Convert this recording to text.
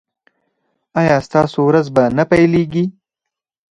ایا ستاسو ورځ به نه پیلیږي؟